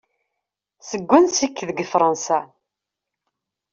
Seg wansi-k deg Fransa?